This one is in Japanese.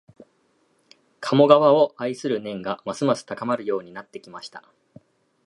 鴨川を愛する念がますます高まるようになってきました